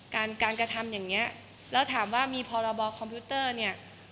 การการกระทำอย่างเงี้ยแล้วถามว่ามีพรบคอมพิวเตอร์เนี่ย